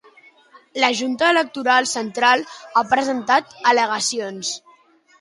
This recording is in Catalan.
La Junta Electoral Central ha presentat al·legacions.